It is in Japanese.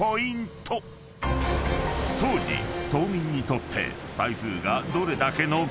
［当時島民にとって］